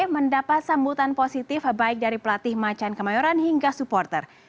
mendapat sambutan positif baik dari pelatih macan kemayoran hingga supporter